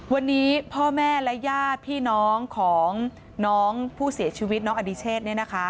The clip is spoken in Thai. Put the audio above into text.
วันนี้พ่อแม่และญาติพี่น้องของน้องผู้เสียชีวิตน้องอดิเชษเนี่ยนะคะ